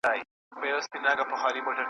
هغه وویل د خان مېرمن لنګیږي .